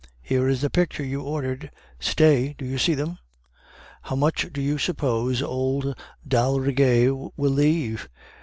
(Here is the picture you ordered.) Stay, do you see them? "'How much do you suppose old d'Aldrigger will leave?